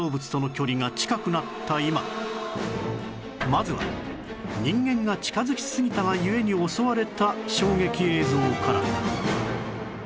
まずは人間が近づきすぎたが故に襲われた衝撃映像から